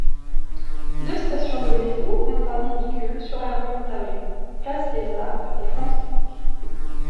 Deux stations de métro ont un édicule sur la rue Ontario: Place-des-Arts et Frontenac.